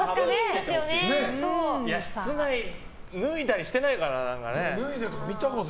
室内、脱いだりしてないかな。